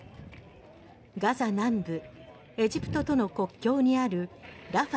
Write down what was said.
ガザ南部エジプトとの国境にあるラファ